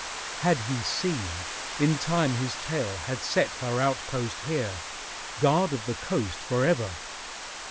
Had he seen, In time his tale had set her out post here, Guard of the coast forever.